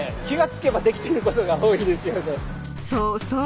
そうそう。